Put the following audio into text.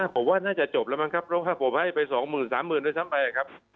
ผมว่าน่าจะจบแล้วมั้งครับเพราะว่าผมให้ไปสองหมื่นสามหมื่นด้วยซ้ำไปครับ